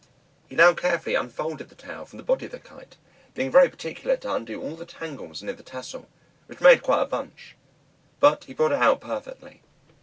He now carefully unfolded the tail from the body of the Kite, being very particular to undo all the tangles near the tassel, which made quite a bunch; but he brought it out perfectly.